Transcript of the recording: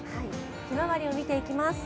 ひまわりを見ていきます。